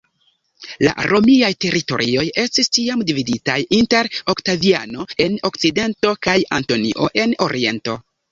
La Romiaj teritorioj estis tiam dividitaj inter Oktaviano en Okcidento kaj Antonio en Oriento.